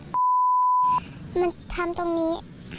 มันธมันทำตรงนี้